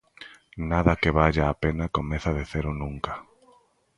Nada que valla a pena comeza de cero nunca.